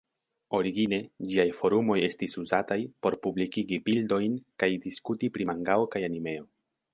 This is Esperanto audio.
Origine ĝiaj forumoj estis uzataj por publikigi bildojn kaj diskuti pri mangao kaj animeo.